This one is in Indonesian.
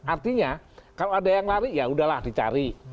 artinya kalau ada yang lari ya udahlah dicari